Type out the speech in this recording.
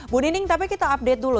bu nining tapi kita update dulu